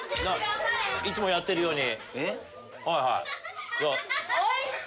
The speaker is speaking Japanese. いつもやってるように。